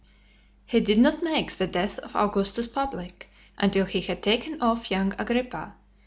XXII. He did not make the death of Augustus public, until he had taken off young Agrippa.